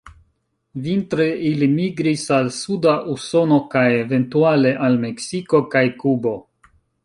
Vintre ili migris al suda Usono kaj eventuale al Meksiko kaj Kubo.